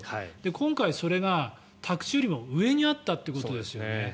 今回、それが宅地よりも上にあったということですよね。